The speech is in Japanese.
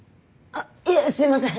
あっいえすいません。